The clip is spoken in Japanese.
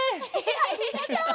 ありがとう。